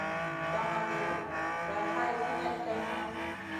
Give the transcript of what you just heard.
Zamagé day hay sinèh ɗenŋa.